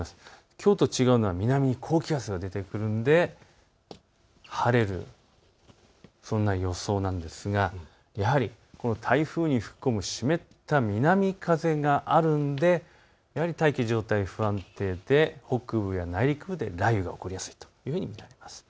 きょうと違うのは南に高気圧が出てくるので晴れるそんな予想なんですがやはり台風に吹き込む湿った南風があるので大気の状態が不安定で北部の内陸部で雷雨が起こりやすいというふうに見られます。